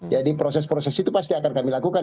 jadi proses proses itu pasti akan kami lakukan